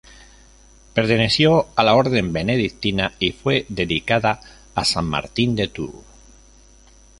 Perteneció a la Orden Benedictina y fue dedicada a san Martín de Tours.